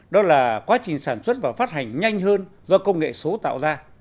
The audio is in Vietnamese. và quá trình sản xuất và phát hành nhanh hơn do công nghệ số tạo ra